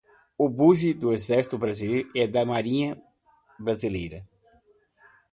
Obuses do exército brasileiro e da marinha brasileira